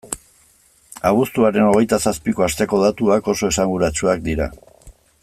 Abuztuaren hogeita zazpiko asteko datuak oso esanguratsuak dira.